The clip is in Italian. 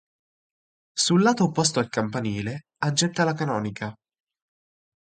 Sul lato opposto al campanile aggetta la canonica.